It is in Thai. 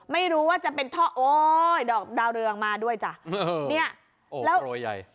ไม่รู้ว่าจะเป็นท่อโอ๊ยดอกดาวเรืองมาด้วยจ้ะเนี่ยโอ้แล้วโปรยใหญ่